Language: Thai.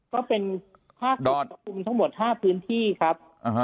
ก็เป็นทั้งหมด๕พื้นที่ครับ